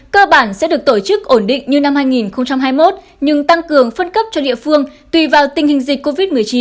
cơ bản sẽ được tổ chức ổn định như năm hai nghìn hai mươi một nhưng tăng cường phân cấp cho địa phương tùy vào tình hình dịch covid một mươi chín